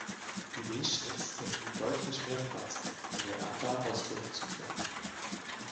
Die Weschnitz erhielt deutlich mehr Platz, um Mäander ausbilden zu können.